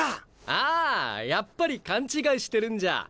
ああやっぱり勘違いしてるんじゃ。